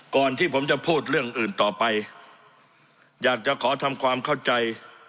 ก่อนที่ผมจะพูดเรื่องอื่นต่อไปอยากจะขอทำความเข้าใจ